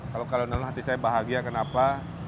kalau alun alun hati saya bahagia kenapa